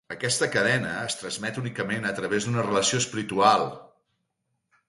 Aquesta cadena es transmet únicament a través d'una relació espiritual.